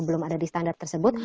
belum ada di standar tersebut